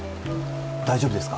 大丈夫ですか？